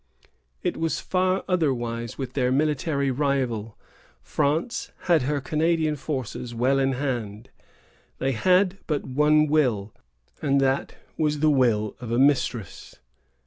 It was far otherwise with their military rival. France had her Canadian forces well in hand. They had but one will, and that was the will of a mistress.